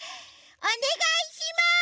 おねがいします！